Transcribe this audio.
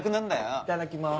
いただきます。